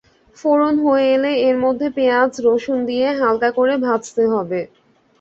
ফোড়ন হয়ে এলে এর মধ্যে পেঁয়াজ রসুন দিয়ে হালকা করে ভাজতে হবে।